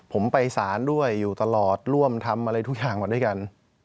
ผมไปสารด้วยอยู่ตลอดร่วมทำอะไรทุกอย่างมาด้วยกัน